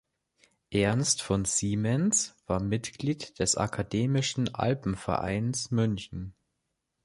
Ernst von Siemens war Mitglied des Akademischen Alpenvereins München.